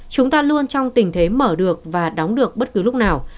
chúng ta luôn trong tình thế mở được và đóng được bất cứ lúc nào